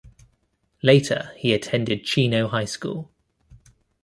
Later he attended Chino High School.